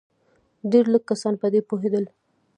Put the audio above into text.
ډېر لږ کسان په دې پوهېدل.